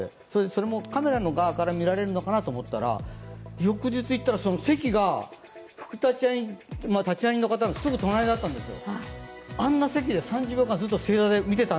それもカメラの側から見られるのかなと思ったら翌日行ったら席が立会人の方のすぐ隣だったんですよ。